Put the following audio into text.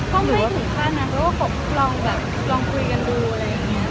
ก็ไม่ถึงค่านะเพราะว่าเราลองคุยกันดูอะไรอย่างนี้